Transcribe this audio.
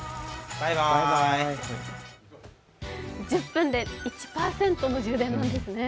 １０分で１％の充電なんですね。